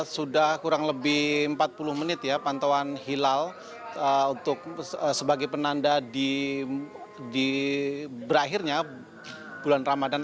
sudah kurang lebih empat puluh menit ya pantauan hilal sebagai penanda di berakhirnya bulan ramadan